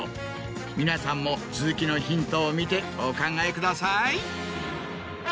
皆さんも続きのヒントを見てお考えください！